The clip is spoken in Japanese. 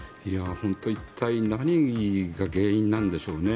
本当に一体、何が原因なんでしょうね。